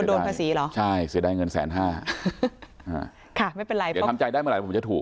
โดนภาษีเหรอใช่เสียดายเงินแสนห้าค่ะไม่เป็นไรเดี๋ยวทำใจได้เมื่อไหร่ผมจะถูก